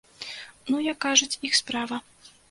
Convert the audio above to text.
Ну, як кажуць, іх справа.